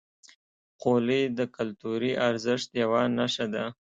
خولۍ د کلتوري ارزښت یوه نښه ده.